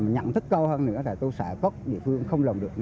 nhận thức câu hơn nữa là tôi sợ cốt địa phương không làm được